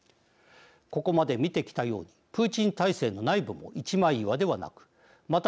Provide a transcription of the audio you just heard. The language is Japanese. ここまで見てきたようにプーチン体制の内部も一枚岩ではなくまた